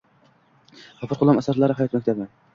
Gʻafur Gʻulom asarlari - hayot maktabi